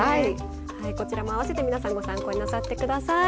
こちらもあわせて皆さんご参考になさって下さい。